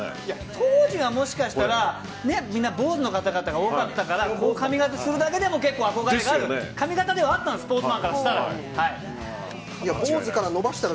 当時はもしかしたらみんな坊主の方々が多かったからこの髪型をするだけでも憧れがある髪形ではあったスポーツマンからしたら。